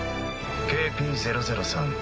ＫＰ００３